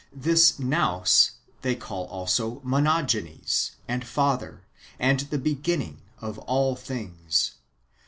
This Nous they call also Monogenes, and Father, and the Beginning of all Things.